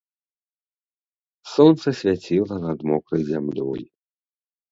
Сонца свяціла над мокрай зямлёй.